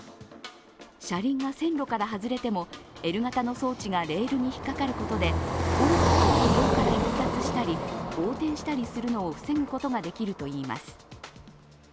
車輪が線路から外れてもＬ型の装置がレールに引っかかることで大きく軌道から逸脱したり横転したりするのを防ぐことができるといいます。